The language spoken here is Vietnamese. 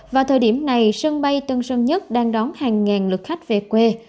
và thời điểm này sân bay tân sơn nhất đang đón hàng ngàn lực khách về quê